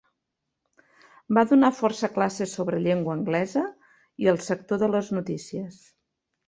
Va donar força classes sobre llengua anglesa i el sector de les notícies.